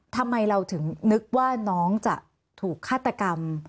ทำไมเราถึงนึกว่าน้องจะถูกฆาตกรรม